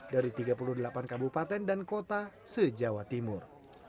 dari tiga puluh delapan kabupaten dan kota sejawa timur